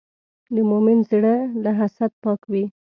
د مؤمن زړه له حسد پاک وي.